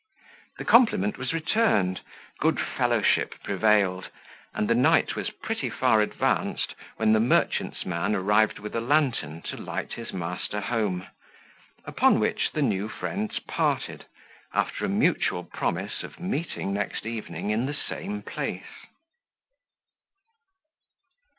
The compliment was returned, good fellowship prevailed, and the night was pretty far advanced, when the merchant's man arrived with a lantern to light his master home; upon which, the new friends parted, after a mutual promise of meeting next evening in the same place.